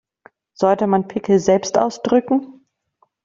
Sollte man Pickel selbst ausdrücken?